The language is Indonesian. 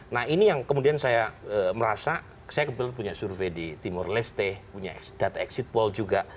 nah ini yang kemudian saya merasa saya kebetulan punya survei di timur leste punya data exit poll juga